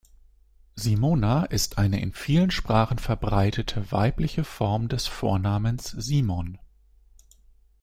Simona ist eine in vielen Sprachen verbreitete weibliche Form des Vornamens Simon.